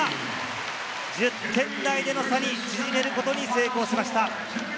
１０点台での差に縮めることに成功しました。